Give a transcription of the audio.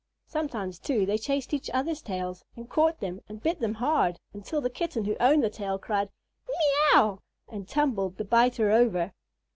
Sometimes, too, they chased each other's tails, and caught them and bit them hard, until the Kitten who owned the tail cried, "Mieow!" and tumbled the biter over.